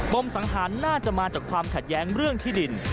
มสังหารน่าจะมาจากความขัดแย้งเรื่องที่ดิน